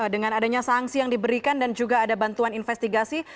dengan adanya sanksi yang diberikan dan juga ada bantuan investigasi